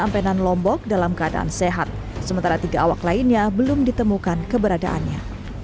ampenan lombok dalam keadaan sehat sementara tiga awak lainnya belum ditemukan keberadaannya